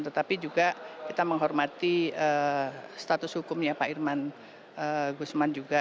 tetapi juga kita menghormati status hukumnya pak irman gusman juga